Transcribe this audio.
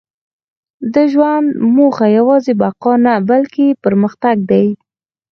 • د ژوند موخه یوازې بقا نه، بلکې پرمختګ دی.